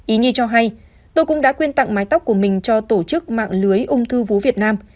ý nhi cho hay tôi cũng đã khuyên tặng mái tóc của mình cho tổ chức mạng lưới ung thư vũ việt nam